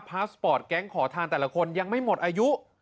พาสปอร์ตแก๊งขอทานแต่ละคนยังไม่หมดอายุ